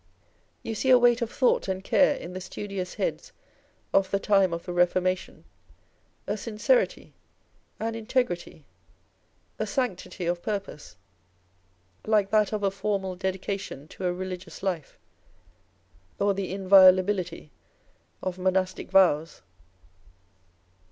You see a weight of thought and care in the studious heads of the time of the Reformation, a sincerity, an integrity, a 6anctity of purpose, like that of a formal dedication to a religious life, or the inviolability of monastic vows.